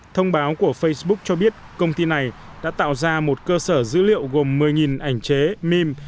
thông báo của facebook cho biết công ty này đã tạo ra một cơ sở dữ liệu gồm một mươi ảnh chế mem